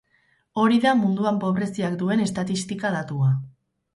Hori da munduan pobreziak duen estatistika datua.